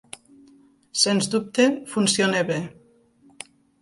Sens dubte, funciona bé.